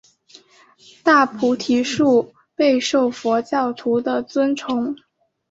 大菩提树备受佛教徒的尊崇。